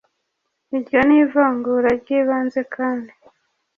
iryo ni ivangura ry'ibanze kandi